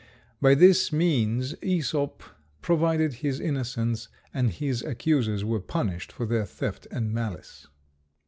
By this means Æsop proved his innocence, and his accusers were punished for their theft and malice.